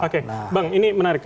oke bang ini menarik